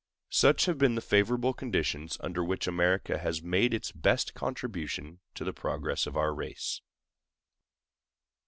Such have been the favorable conditions under which America has made its best contribution to the progress of our race.